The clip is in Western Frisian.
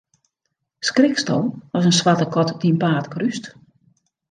Skriksto as in swarte kat dyn paad krúst?